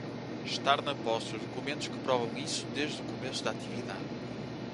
Estar na posse dos documentos que provam isso desde o começo da atividade.